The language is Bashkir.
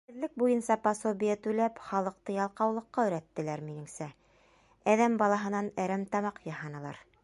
Эшһеҙлек буйынса пособие түләп, халыҡты ялҡаулыҡҡа өйрәттеләр, минеңсә, әҙәм балаһынан әрәмтамаҡ яһанылар.